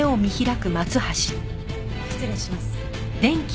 失礼します。